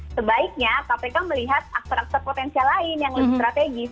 sebaiknya kpk melihat aktor aktor potensial lain yang lebih strategis